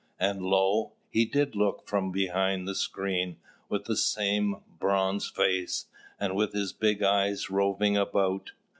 And lo! he did look from behind the screen, with the very same bronzed face, and with his big eyes roving about.